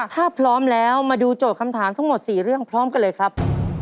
ถ้าพร้อมแล้วมาดูโจทย์คำถามทั้งหมด๔เรื่องพร้อมกันเลยครับ